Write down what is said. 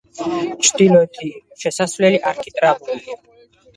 ჩრდილოეთი შესასვლელი არქიტრავულია.